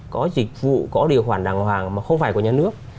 có dịch vụ có điều khoản đàng hoàng mà không phải của nhà nước